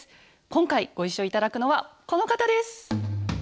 今回ご一緒頂くのはこの方です！